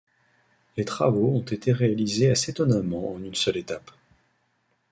Les travaux ont été réalisés assez étonnamment en une seule étape.